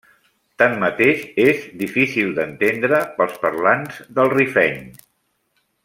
Tanmateix és difícil d'entendre pels parlants del rifeny.